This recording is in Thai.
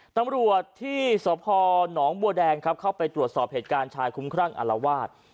ตำรวจที่สพหนองบัวแดงครับเข้าไปตรวจสอบเหตุการณ์ชายคุ้มครั่งอารวาส